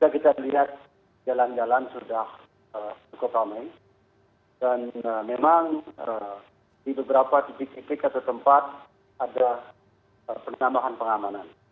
kita lihat jalan jalan sudah cukup ramai dan memang di beberapa titik titik atau tempat ada penambahan pengamanan